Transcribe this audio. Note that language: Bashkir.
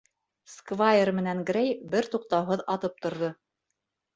Сквайр менән Грей бер туҡтауһыҙ атып торҙо.